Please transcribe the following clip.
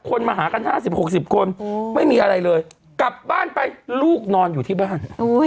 คนมาหากันห้าสิบหกสิบคนไม่มีอะไรเลยกลับบ้านไปลูกนอนอยู่ที่บ้าน